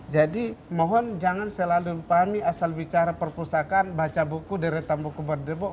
jadi mohon jangan selalu pahami asal bicara perpustakaan baca buku deretan buku berdebok